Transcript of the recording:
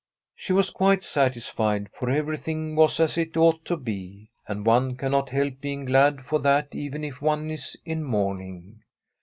She was quite satisfied, for everything was as it ought to be, and one cannot help being glad for that, even if one is in mourning.